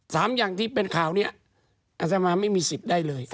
สามอย่างที่เป็นข่าวเนี่ยอาจารย์มายังไม่มีสิทธิ์ได้เลย